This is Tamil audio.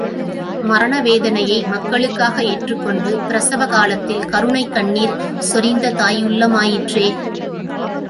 மரண வேதனையை மக்களுக்காக ஏற்றுக் கொண்டு பிரசவ காலத்தில் கருணைக் கண்ணீர் சொரிந்த தாயுள்ளமாயிற்றே.